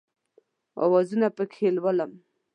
اوازونه پکښې لولم